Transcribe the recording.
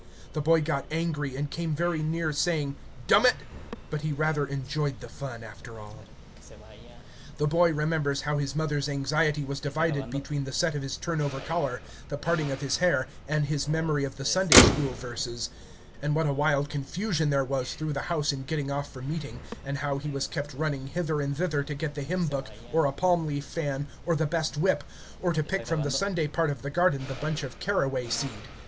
The boy got angry, and came very near saying "dum it," but he rather enjoyed the fun, after all. The boy remembers how his mother's anxiety was divided between the set of his turn over collar, the parting of his hair, and his memory of the Sunday school verses; and what a wild confusion there was through the house in getting off for meeting, and how he was kept running hither and thither, to get the hymn book, or a palm leaf fan, or the best whip, or to pick from the Sunday part of the garden the bunch of caraway seed.